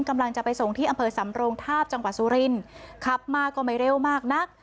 กำลังจะไปส่งที่อำเภอสำโรงทาบจังหวัดสุรินขับมาก็ไม่เร็วมากนัก